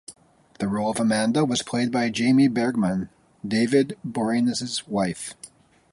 The role of Amanda was played by Jaime Bergman, David Boreanaz's wife.